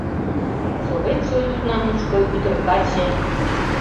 Совет Союзна мучко ӱдыр-каче